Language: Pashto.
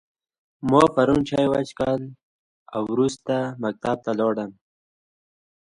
ما پرون چای وچیښلی او وروسته مکتب ته ولاړم